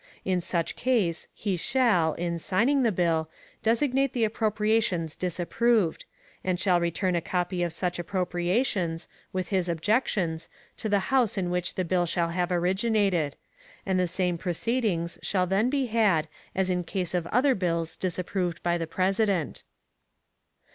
In such case he shall, in signing the bill, designate the appropriations disapproved; and shall return a copy of such appropriations, with his objections, to the House in which the bill shall have originated; and the same proceedings shall then be had as in case of other bills disapproved by the President.